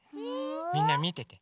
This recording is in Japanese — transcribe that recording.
みんなみてて！